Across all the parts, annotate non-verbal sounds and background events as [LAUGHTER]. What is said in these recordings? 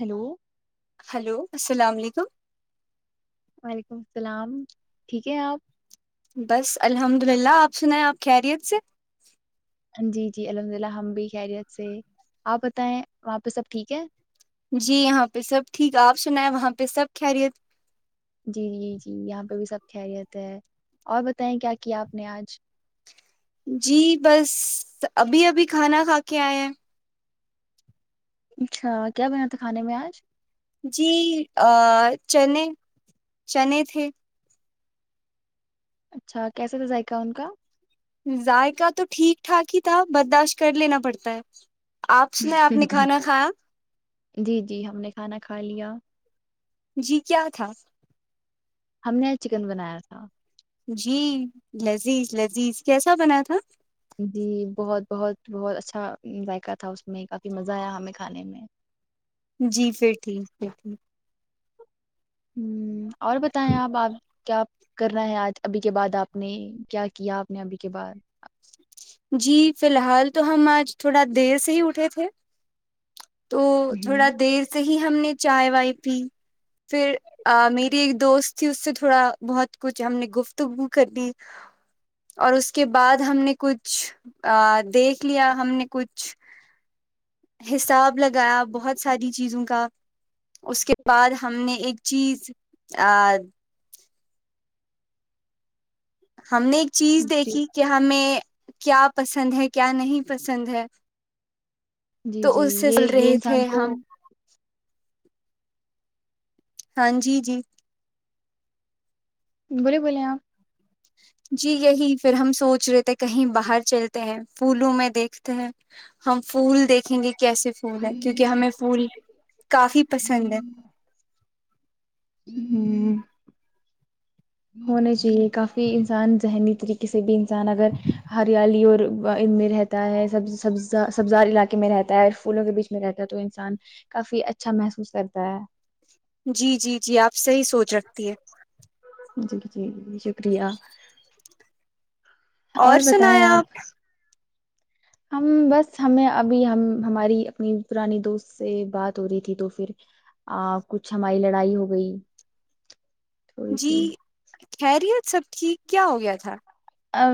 hello hello السلام علیکم وعلیکم السلام ٹھیک ہے آپ بس الحمد للہ آپ سنیں آپ خیریت سے جی جی الحمد للہ ہم بھی خیریت سے آپ بتائیں وہاں پہ سب ٹھیک ہے جی یہاں پہ سب ٹھیک آپ سنا ہے وہاں پہ سب خیریت جی جی جی یہاں پہ بھی سب خریت ہے اور بتائیں کیا کیا آپ نے آج جی بس ابھی ابھی کھانا کھا کے آئے ہیں اچھا کیا بنا تھا کھانے میں آج جی چنے چنے تھے اچھا کیسے کا ذائقہ ان کا ذائقہ تو ٹھیک ٹھاک ہی تھا برداشت کر لینا پڑتا ہے آپس نے آپ نے کھانا کھایا جی جی ہم نے کھانا کھا لیا جی کیا تھا ہم نے چکن بنایا تھا جی لذیذ لذیذ کیسا بنا تھا جی بہت بہت بہت اچھا ذائقہ تھا اس میں کافی مزہ آیا ہمیں کھانے میں جی پھر ٹھیک پھر ٹھیک ہوں اور بتائیں آپ آپ کیا کرنا ہے آج ابھی کے بعد آپ نے کیا کیا آپ نے ابھی کے بعد جی فی الحال تو ہم آج تھوڑا دیر سے ہی اٹھے تھے تو ہوں تھوڑا دیر سے ہم نے چائے وائے پی پھر میری ایک دوست تھی اس سے تھوڑا بہت کچھ ہم نے گفتگو کر لی اور اس کے بعد ہم نے کچھ دیکھ لیا ہم نے کچھ حساب لگایا بہت ساری چیزوں کا اس کے بعد ہم نے ایک چیز ا ہم نے ایک چیز جی دیکھی کہ ہمیں کیا پسند ہے کیا نہیں پسند ہے جی تو جی اس سے چل یہ یہ رہے انسان تھے کو ہم ہاں جی جی بولے بولے آپ جی یہی پھر ہم سوچ رہے تھے کہیں باہر چلتے ہیں پھولوں میں دیکھتے ہیں ہم پھول دیکھیں گے کیسے پھول ہے کیونکہ ہمیں پھول کافی پسند ہے ہوں ہونا چاہیے کافی انسان ذہنی طریقے سے بھی نگر ہریالی اور ان میں رہتا ہے سب سب سبزار علاقے میں رہتا ہے اور پھولوں کے بیچ میں رہتا ہے تو انسان کافی اچھا محسوس کرتا ہے جی جی جی آپ صحیح سوچ رکھتی ہے جی جی جی شکریہ اور سنایا آپ ہم بس ہمیں ابھی ہم ہماری اپنی پرانی دوست سے بات ہو رہی تھی تو پھر کچھ ہماری لڑائی ہو گئی تھوڑی جی سی خیریت سب ٹھیک کیا ہو گیا تھا ا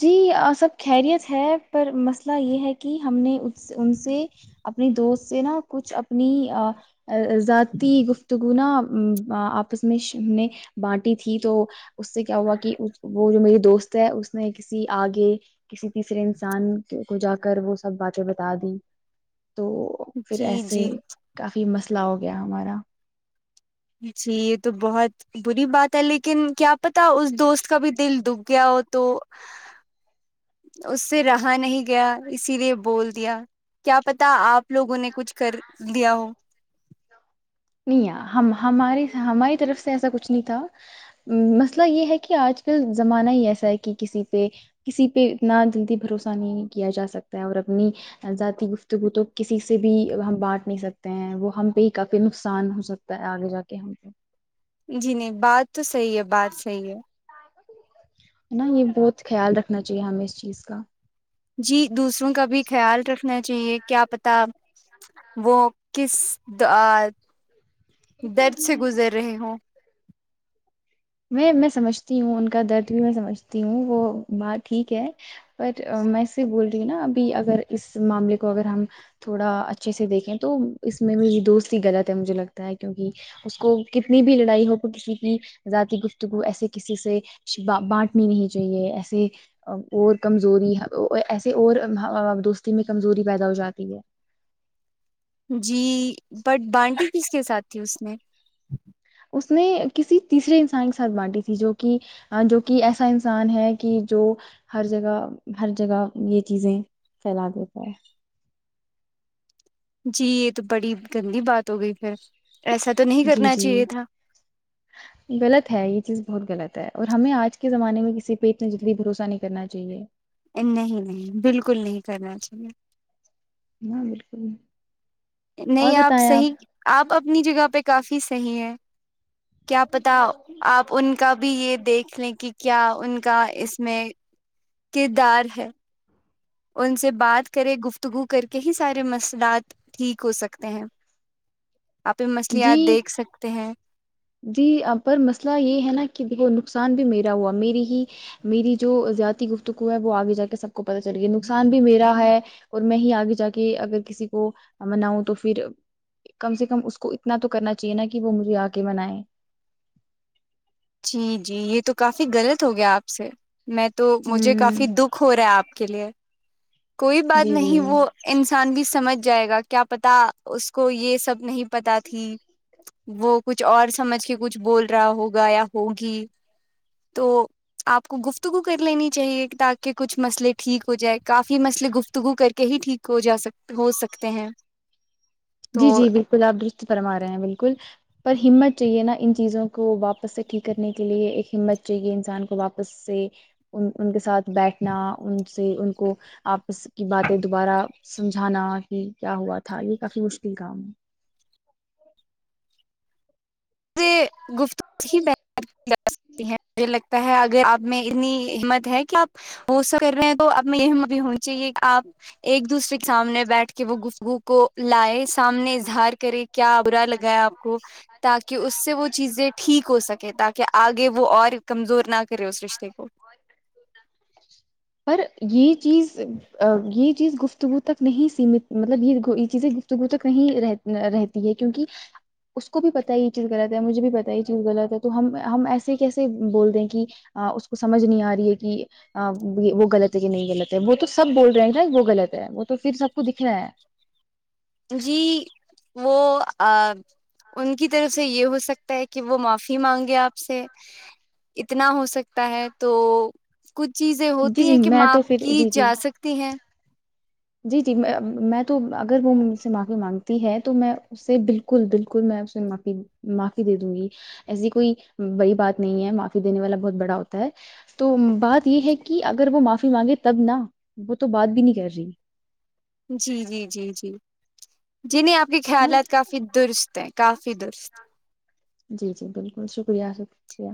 جی سب خیریت ہے پر مسئلہ یہ ہے کہ ہم نے ان سے اپنی دوست سے نا کچھ اپنی ذاتی گفتگنا آپس میں نے بانٹی تھی تو اس سے کیا ہوا کہ وہ جو میری دوست سے اس نے کسی آگے کسی تیسرے انسان کو جا کر وہ سب باتیں بتا دی تو پھر جی ایسے جی کافی مسئلہ ہو گیا ہمارا جی یہ تو بہت بری بات ہے لیکن کیا پتا اس دوست کا بھی دل دب گیا ہو تو اس سے رہا نہیں گیا اسی لیے بول دیا کیا پتا آپ لوگوں نے کچھ کر دیا ہو نہیں ہم ہمارے ہماری طرف سے ایسا کچھ نہیں تھا مسئلہ یہ ہے کہ آج کل زمانہ ہی ایسا ہے کہ کسی پہ کسی پہ اتنا جلدی بھروسہ نہیں کیا جا سکتا ہے اور اپنی ذاتی گفتگو تو کسی سے بھی ہم بانٹ نہیں سکتے ہیں وہ ہم پہ ہی کافی ن آسان ہو سکتا ہے آگے جا کے ہم کو جی نہیں بات تو صحیح ہے بات صحیح ہے ن نا یہ بہت خیال رکھنا چاہیے ہمیں اس چیز کا جی دوسروں کا بھی خیال رکھ نا چاہیے کیا پتا وہ کس درد سے گزر رہے ہوں میں میں سمجھتی ہوں ان کا درد بھی میں سمجھتی ہوں وہ بات ٹھیک ہے پر میں سے بول رہی ہوں نا ابھی اگر اس معاملے کو اگر ہم تھوڑا اچھے سے دیکھیں تو اس میں میری دوست ہی غلط ہے مجھے لگتا ہے کیوںکہ اس کو کتنی بھی لڑائی ہو تو کسی کی ذاتی گفتگو ایسے کسی سے بانٹنی نہیں چاہیے ایسے اور کمزوری ایسے اور دوستی میں کمزوری پیدا ہو جاتی ہے جی بٹ بانڈ کس کے ساتھ تھی اس میں اس نے کسی تیسرے انسان کے ساتھ بانٹی تھی جو کہ جو کہ ایسا انسان ہے کہ جو ہر جگہ ہر جگہ یہ چیزیں پھیلا دیتا ہے جی یہ تو بڑی گندی بات ہو گئی پھر ایسا تو نہیں جی کرنا جی چاہیے تھا غلط ہے یہ چیز بہت غلط اور ہمیں آج کے زمانے میں کسی پہ اتنا جلدی بھروسہ نہیں کرنا چاہیے نہیں نہیں بالکل نہیں کرنا چاہیے ہاں بالکل اور نہیں آپ بتائیں صحیح آپ اپنی جگہ پہ کافی صحیح ہے کیا پتا آپ ان کا بھی یہ دیکھ لیں کہ کیا ان کا اس میں کردار ہے ان سے بات کرے گفتگو کر کے ہی سارے مسئلات ٹھیک ہو سکتے ہیں آپ بھی مچھلیات جی دیکھ سکتے ہیں جی پر مسئلہ یہ ہے نا کہ دیکھو نقصان بھی میرا ہوا میری ہی میری جو زیادتی گفتگو ہے وہ آگے جا کے سب کو پت چل گیا نقصان بھی میرا ہے اور میں ہی آگے جا کے اگر کسی کو مناؤں تو پھر کم سے کم اس کو اتنا تو کرنا چاہیے نا کہ وہ مجھے آ کہ منائے جی جی یہ تو کافی غلط ہو گیا آپ سے میں تو مجھے ہوں کافی دکھ ہو رہا آپ کے لیے کوئی بات جی نہیں وہ جی ان نقسان بھی سمجھ جائے گا کیا پتا اس کو یہ سب نہیں پت تھی وہ کچھ اور سمجھ کے کچھ بول رہا ہوگا یا ہوگی تو آپ کو گفتگو کر لینی چاہیے تاکہ کچھ مسئلے ٹھیک ہو جائے کافی مسئلے گفتگو کر کے ہی ٹھیک ہو جا سک ہو سکتے ہیں تو جی جی بالکل آپ فرما رہے ہیں بالکل پر ہمت چاہیے نا ان چیزوں کو واپس سے ٹھیک کرنے کے لیے ایک ہمت چاہیے انسان کو واپس سے ان کے ساتھ بیٹھنا ان سے ان کو آپس کی باتیں دوبارہ سمجھانا کہ کیا ہوا تھا یہ کافی مشکل [UNINTELLIGIBLE] گفت ہیجھ [UNINTELLIGIBLE] [INAUDIBLE] اگر آپ میں اتنی ہمت ہے کہ آپ وہ سا کر رہ ہیں تو اب میں یہب ہوں گی چاہے کہ آپ ایک دوسرے کے سامنے بیٹھ کے وہ گفگو کو لائے سامنے اظہار کرے کیا ابرا لگایا کو ت [UNINTELLIGIBLE] اس سے وہ چیزیں ٹھیک ہو سکے تاکہ آگے وہ اور کمزور نہ کرے اس رشتے کو [UNINTELLIGIBLE] چیز ا گی [UNINTELLIGIBLE] چیز گفتگو تک نہیں سیمت مطلب یہ یہ چیزیں گفتگو تک نہیں رہ رہتی ہے کیونکہ اس کو بھی پت ہے یہ چیز غلط ہے مجھے بھی پتا یہ چیز غط ہے تو ہم ہم ایسے کیسے بول رہ ہیں کہ اس کو سمجھ نہیں آ رہی ہے کہ وہ غلط ہے کہ نہیں غلط ہے وہ تو سب بول رہے ہیں وہ غلط ہے وہ تو پھر سب کو دکھناا ہے جی وہ ان کی طرف سے یہ ہو سکتا ہے کہ وہ معافی مانگے آپ سے اتنا ہو سکتا ہے تو کچھ چیزیں جی ہوتی جی ہیں کہ میں تو معاںپ پھر کی جی جی جا سکتی ہیں جی جی میں تو اگر وہ م سے معافی مانگتی ہے تو میں اس سے بالکل بالکل میں اسے معفی معافی دے دوں گی ایسی کوئی بڑی بات نہیں ہے معافی دینے والا بہت بڑا ہوتا ہے تو بات یہ ہے کہ اگر وہ معافی مانگے تب نہ وہ تو بات بھی نہیں کر رہی جی جی جی جی جنیں آپ کے خیالات نا کافی درست کافی درست جی جی بالکل شکریہ شکریہ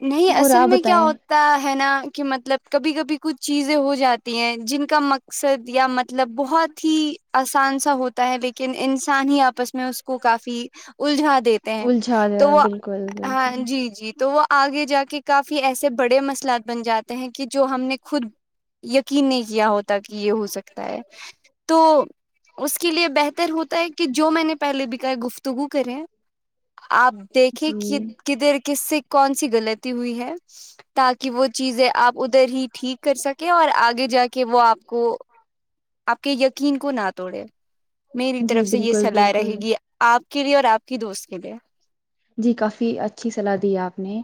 نہیں اور اصل آپ میں کیا بتائیں ہوتا ہے نا کہ مطلب کبھی کبھی کچھ چیزیں ہو جاتی ہیں جن کا مقصد یا مطلب بہت ہی آسان سا ہوتا ہے لیکن انسان ہی آپس میں میں اس کو کافی الجھا دیتے ہیں الجھا تو رہے وہ بالکل ہاں بالکل جی جی تو وہ آگے جا کے کہ کافی ایسے بڑے مسئلات بن جاتے ہیں کہ جو ہم نے خود یقین نہیں کیا ہوتا کہ یہ ہو سکتا ہے تو اس کے لیے بہتر ہوتا ہے کہ جو میں نے پہلے ب کہ ہے گفتگو کرے آپ دیکھیں جی کدھر کس سے کون سی غلط ہوئی ہے تاکہ وہ چیزیں آپ ادھر ہی ٹھیک کر سکیں اور آگے جا کے وہ آپ کو آپ کے یقین کو نہ توڑے میری جی طرف سے یہ بالکل صلاح رہے بالکل گی آپ کے لیے اور آپ کی دوست کے لیے جی کافی اچھی صلاح دی ہے آپ نے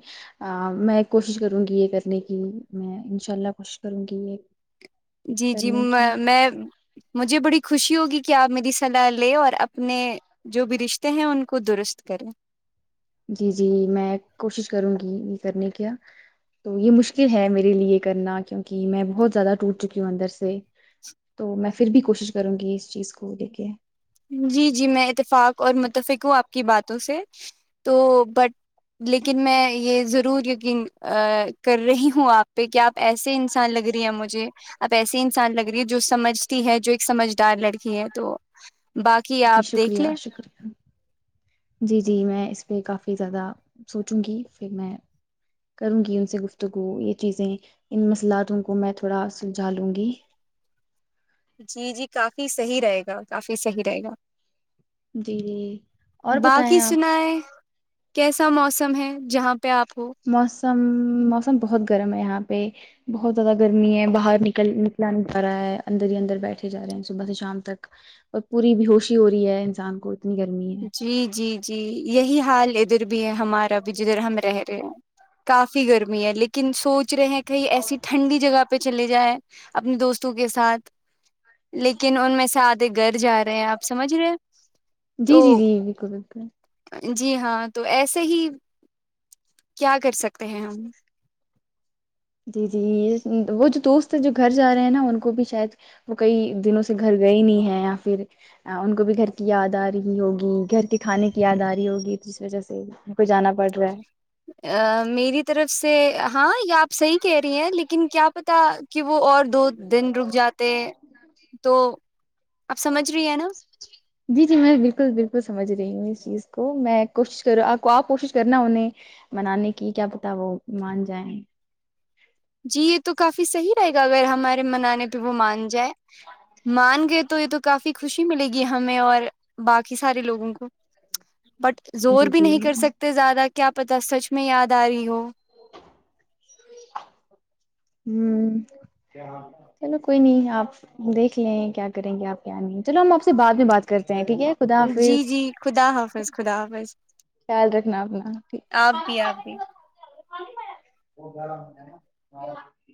میں کوشش کروں گی یہ کرنے کی میں انشاء اللہ کوشش کروں گی یہ جی جی کرنے کی میں مجھے بڑی خوشی ہوگی کیا آپ میری صلاح لیں اور اپنے جو بھی رشتے ہیں ان کو درست کریں جی جی میں کوشش کروں گی یہ کرنے کیا تو یہ مشکل ہے میرے لیے یہ کرنا کیوںکہ میں بہت زیادہ ٹوٹ چکی ہوں اندر سے تو میں پھر بھی کوشش کروں گی اس چیز کو لے کے جی جی میں اتفاق اور متفق ہوں آپ کی باتوں سے تو بٹ لیکن میں یہ ضرور یقین کر رہی ہوں آپ پہ کہ آپ ایسے انسان لگ رہی ہے مجھے اب ایسسی انسان لگ رہی ہے جو سمجھتی ہے جو ایک سمجھدار لڑکی یہ تو باقی جی آپ دیکھ شکریہ لیں شکریہ جی جی میں اس پہ کافی زیادہ سوچوں گی پھر میں کروں گی ان سے گفتگو یہ چیزیں ان مسئلاتوں کو میں تھوڑا سلجھا لوں گی جی جی کافی صحیح رہے گا کافی صحیح رہے گا جی جی اور بتائیں باقی آپ سنائے کیسا موسم ہے جہاں پہ آپ ہو مس س موسم بہت گرم ہے یہاں پہ بہت زیادہ گرمی ہے باہر نکل نکلا نہیں پا رہا ہے اندر ہی اندر بیٹھے جا رہے ہیں صبح سے شام تک اور پوری ب ہووشی ہو رہی ہے انسان کو اتنی گرمی ہے جی جی جی یہی حال لدر بھی ہے ہمارا بھی جدھر ہم رہ رہے ہیں کافی گرمی ہے لیکن سوچ رہے ہیں کہیں ایسی ٹھنڈی جگہ پ پہ چلے جائیں اپنے دوستوں کے ساتھ لیکن ان میں سے آتےے گھر جا رہے ہیں آپ سمجھ رہے جی جی تو جی بالکل بالکل جی ہاں تو ایسے ہی کیا کر سکتے ہیں ہم جی جی وہ جو دوست ہے جو گھر جا رہے ہیں نا ان کو بھی شاید وہ کئی دنوں سے گھر گئے نہیں ہیں یا پھر ان کو بھی گھر کی یاد آ رہ ہی ہوگی گھر کے کھانے کی یاد آ رہ ہوگی جس وجہ سے ان کو جانا پڑ رہا ہے ا میری طرف سے ہاں یا آپ صحیح کہہ رہی ہیں لیکن کیا پتا کہ وہ اور دو دن رک جاتے تو اپ سمجھ رہی ہیں نا جی جی میں بالکل بالکل سمجھ رہی ہوں اس چیز کو میں کوشش کر ہوں آپ کو آپ کوشش کرنا انہیں منانے کی کیا پتا وہ مان جائیں جی تو کافی صحیح رہے گا اگر ہمارے منانے پہ وہ مان جائے مان گئے تو یہ تو کافی خوشی ملے گی ہمیں اور باقی سارے لوگوں کو بٹ زور جی بھی جی نہیں کر ہوں سکتے زیادہ کیا پتا سچ میں یاد آ رہی ہو ہ چلو کوئی نہیں آپ دیکھ لیں کیا کریں گے آپ کیا نہیں چلو ہم آپ سے بعد میں بات کرتے ہیں ٹھیک ہے خدا جی حافظ جی خدا حافظ خدا حافظ خیال رکھنا اپنا ٹھیک آپ بھی آپ بھی ہے وہ گہلہ ہو ہے نا